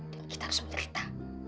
dan kita harus mencerita